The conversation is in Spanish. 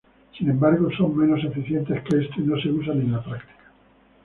Sin embargo son menos eficientes que estos y no se usan en la práctica.